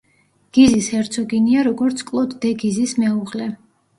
გიზის ჰერცოგინია როგორც კლოდ დე გიზის მეუღლე.